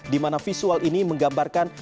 dimana visual ini menggambarkan